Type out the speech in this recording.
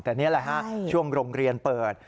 แต่นี่แหละฮะช่วงโรงเรียนเปิด